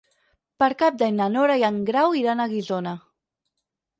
Per Cap d'Any na Nora i en Grau iran a Guissona.